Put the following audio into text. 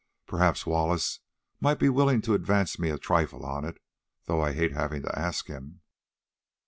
Perhaps Wallace might be willing to advance me a trifle on it, though I hate having to ask him."